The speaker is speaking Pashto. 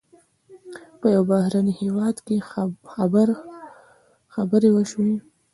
په یو بهرني هېواد خبرې وشوې.